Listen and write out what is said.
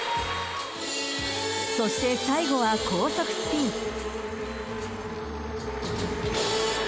そして、最後は高速スピン。